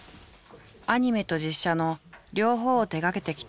アニメと実写の両方を手がけてきた庵野監督。